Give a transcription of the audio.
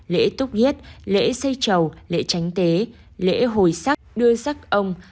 lễ túc nhất lễ xây trầu lễ tránh tế lễ hồi sắc đưa sắc ông